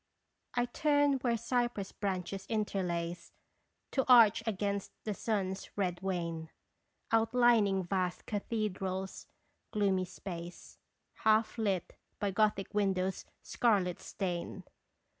I turn where cypress branches interlace To arch against the sun's red wane, Outlining vast cathedral's gloomy space, Half lit by Gothic window's scarlet stain.